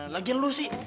lagian lo sih